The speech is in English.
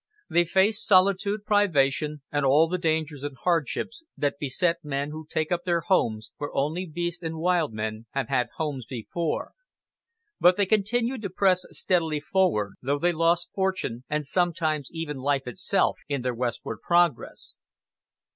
They faced solitude, privation, and all the dangers and hardships that beset men who take up their homes where only beasts and wild men have had homes before; but they continued to press steadily forward, though they lost fortune and sometimes even life itself, in their westward progress.